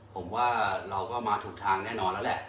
ผมว่าเราก็มาถูกทางแน่นอนแล้วแหละ